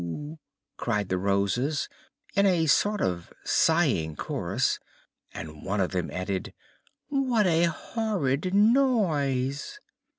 "O o o h!" cried the Roses, in a sort of sighing chorus; and one of them added: "What a horrid noise!"